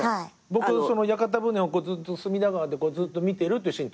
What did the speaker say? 僕その屋形船を隅田川でずっと見てるっていうシーンを撮ったんです。